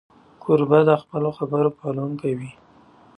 کوربه د خپلو خبرو پالونکی وي.